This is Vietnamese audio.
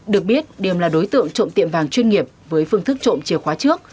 được biết điềm là đối tượng trộm tiệm vàng chuyên nghiệp với phương thức trộm chìa khóa trước